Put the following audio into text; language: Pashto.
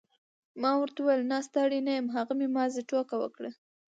ما ورته وویل نه ستړی نه یم هغه مې محض ټوکه وکړه.